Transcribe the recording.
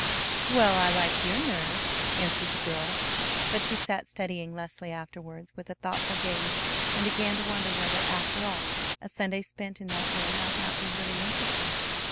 "Well, I like your nerve!" answered the girl; but she sat studying Leslie afterwards with a thoughtful gaze, and began to wonder whether, after all, a Sunday spent in that way might not be really interesting.